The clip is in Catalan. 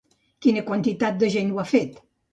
Quina quantitat de gent ho ha fet?